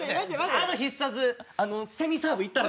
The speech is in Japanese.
あの必殺セミサーブいったれ！